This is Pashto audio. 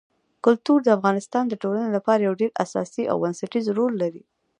کلتور د افغانستان د ټولنې لپاره یو ډېر اساسي او بنسټيز رول لري.